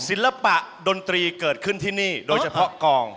ศิลปะดนตรีเกิดขึ้นที่นี่โดยเฉพาะกอง